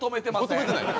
求めてない？